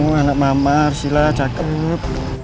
anak mama arsila cakep